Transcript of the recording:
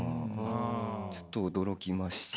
ちょっと驚きました。